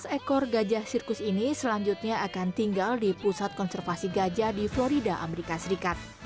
dua belas ekor gajah sirkus ini selanjutnya akan tinggal di pusat konservasi gajah di florida amerika serikat